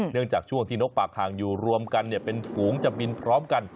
จากช่วงที่นกปากคางอยู่รวมกันเป็นฝูงจะบินพร้อมกัน